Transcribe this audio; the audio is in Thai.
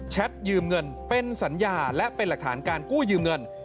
ยืมเงินเป็นสัญญาและเป็นหลักฐานการกู้ยืมเงิน